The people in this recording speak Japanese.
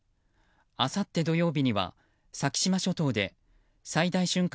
あさって土曜日には先島諸島で最大瞬間